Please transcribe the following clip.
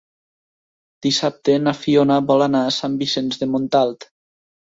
Dissabte na Fiona vol anar a Sant Vicenç de Montalt.